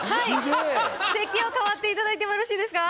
席を替わっていただいてもよろしいですか。